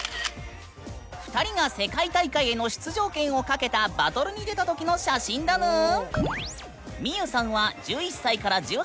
２人が世界大会への出場権を懸けたバトルに出た時の写真だぬん！